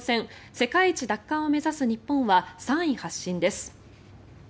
世界一奪還を目指す日本は３位発進です。